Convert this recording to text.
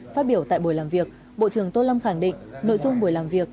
phát biểu tại buổi làm việc bộ trưởng tô lâm khẳng định nội dung buổi làm việc